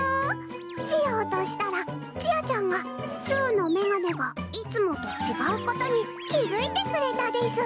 しようとしたらちあちゃんがすうのメガネがいつもと違うことに気付いてくれたです。